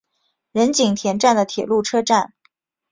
仁井田站的铁路车站。